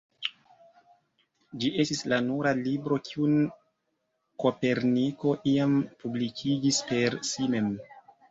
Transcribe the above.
Ĝi estis la nura libro kiun Koperniko iam publikigis per si mem.